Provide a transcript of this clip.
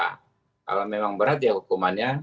kalau memang berat ya hukumannya